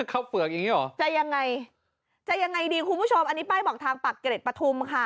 แล้วข้างบนน่ะจะยังไงคุณผู้ชมอันนี้ป้ายเหมาะทางปากเกร็ดประทุมค่ะ